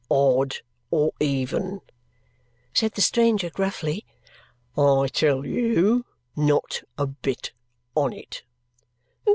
"Odd or even," said the stranger gruffly, "I tell you, not a bit on it!"